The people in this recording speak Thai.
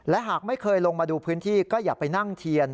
และหากไม่เคยลงมาดูพื้นที่ก็อย่าไปนั่งเทียน